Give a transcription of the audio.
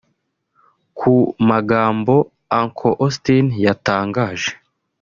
Ku magamabo Uncle Austin yatangaje